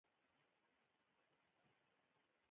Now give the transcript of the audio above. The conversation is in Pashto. د ده معلومات د ریفرنس په توګه ورکول کیږي.